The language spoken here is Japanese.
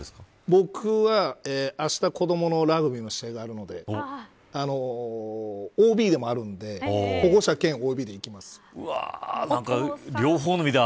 僕は、あした子どものラグビーの試合があるのでＯＢでもあるので保護者兼ＯＢで行きます。